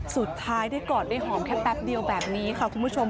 สุดท้ายได้กอดได้หอมแค่แป๊บเดียวแบบนี้ค่ะคุณผู้ชม